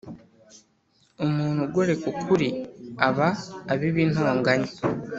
Umuntu ugoreka ukuri aba abiba intonganya